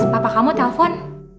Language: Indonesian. papa kamu telpon